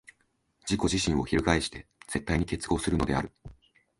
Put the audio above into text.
自己自身を翻して絶対に結合するのである。